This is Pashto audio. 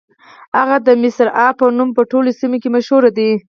هغه د مصرعها په نوم په ټولو سیمو کې مشهورې دي.